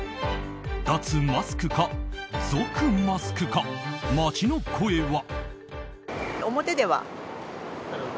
脱マスクか、続マスクか街の声は。